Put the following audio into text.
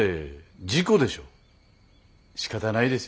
しかたないですよ。